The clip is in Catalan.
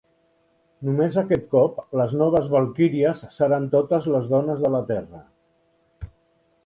Només aquest cop, les noves valquíries seran totes les dones de la terra.